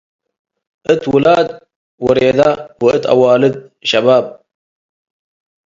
እት ውላድ ወሬደ ወእት አዋልድ ሸባብ